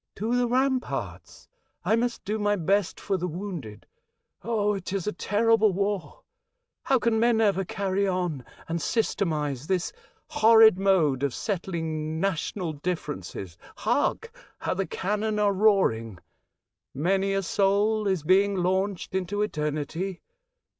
" To the ramparts. I must do my best for the wounded. Oh, it is a terrible war ! How can men ever carry on and systematise this horrid mode of settling national differences ? Hark ! how the cannon are roaring ! Many a soul is being launched into eternity.